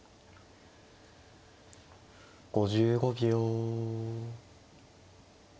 ５５秒。